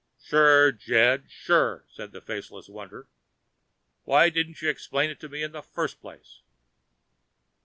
"Sure, Jed, sure," said the Faceless Wonder. "Why didn't ya explain it to me in the first place?"